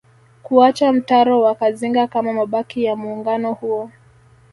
Kuacha mtaro wa Kazinga kama mabaki ya muungano huo